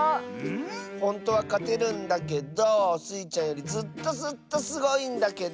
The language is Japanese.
ほんとはかてるんだけどスイちゃんよりずっとずっとすごいんだけど。